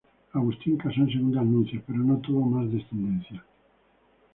Agustín casó en segundas nupcias, pero no tuvo más descendencia.